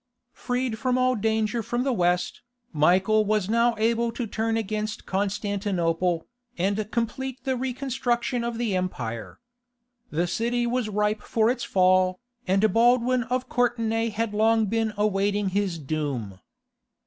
Freed from all danger from the West, Michael was now able to turn against Constantinople, and complete the reconstruction of the empire. The city was ripe for its fall, and Baldwin of Courtenay had long been awaiting his doom.